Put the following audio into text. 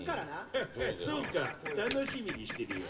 ハハッ、そうか楽しみにしてるよ。